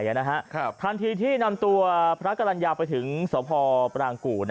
ทันทีที่ที่นำตัวพระกรณญาไปถึงเสาพอร์ปรากุ